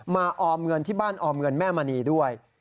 ออมเงินที่บ้านออมเงินแม่มณีด้วย